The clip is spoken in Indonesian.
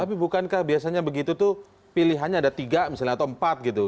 tapi bukankah biasanya begitu tuh pilihannya ada tiga misalnya atau empat gitu